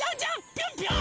ぴょんぴょん！